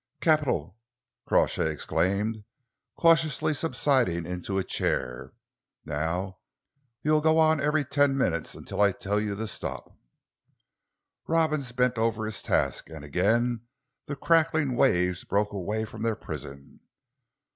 "Capital!" Crawshay exclaimed, cautiously subsiding into a chair. "Now you'll go on every ten minutes until I tell you to stop." Robins bent over his task, and again the crackling waves broke away from their prison.